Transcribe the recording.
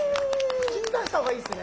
口に出した方がいいですね